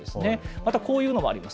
またこういうのもあります。